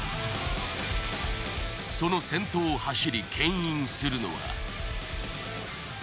その先頭を走りけん引するのは。